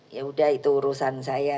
yaudah itu urusan saya